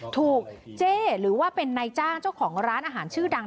เจ๊หรือว่าเป็นนายจ้างเจ้าของร้านอาหารชื่อดัง